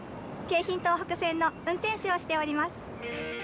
京浜東北線の運転士をしております！